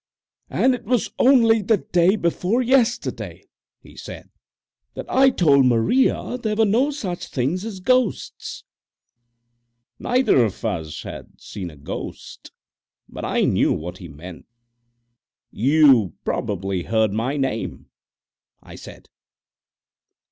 "And it was only the day before yesterday," he said, "that I told Maria there were no such things as ghosts!" Neither of us had seen a ghost, but I knew what he meant. "You probably heard my name, " I said.